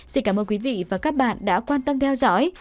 xin cảm ơn quý vị và các bạn đã quan tâm theo dõi